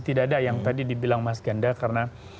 tidak ada yang tadi dibilang mas ganda karena